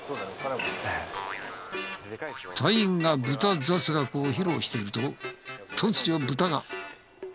隊員がブタ雑学を披露していると突如ブタが。